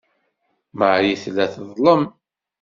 Marie tella teḍlem.